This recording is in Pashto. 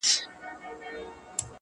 ستا د سوځلي زړه ايرو ته چي سجده وکړه.